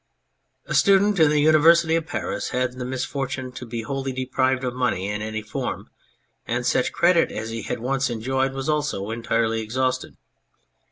A student in the University of Paris had the mis fortune to be wholly deprived of money in any form, and such credit as he had once enjoyed was also entirely exhausted.